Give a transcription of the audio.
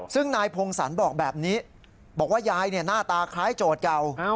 ซึ่งนายพงศรบอกแบบนี้บอกว่ายายหน้าตาคล้ายโจทย์เก่า